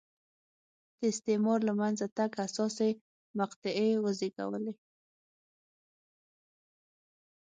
د استعمار له منځه تګ حساسې مقطعې وزېږولې.